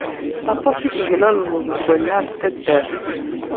Aṭas i teglalzeḍ deg wannar n taddart.